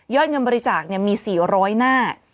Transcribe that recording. ยอดเงินบริจาคเนี่ยมี๔๐๐หน้า